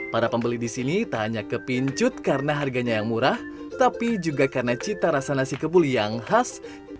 para pembeli di sini tak hanya kepincut karena harganya yang murah tapi juga karena cita rasa nasi kebuli yang khas